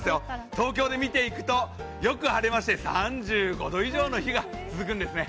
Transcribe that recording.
東京で見ていくと、よく晴れまして３５度以上の日が続くんですね。